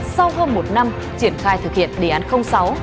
sau hơn một năm triển khai thực hiện đề án sáu